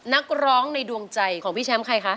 นักร้องในดวงใจของพี่แชมป์ใครคะ